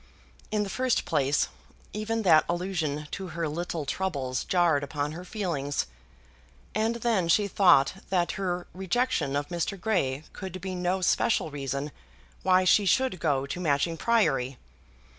In the first place, even that allusion to her little troubles jarred upon her feelings; and then she thought that her rejection of Mr. Grey could be no special reason why she should go to Matching Priory.